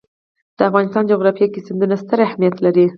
د افغانستان جغرافیه کې سیندونه ستر اهمیت لري.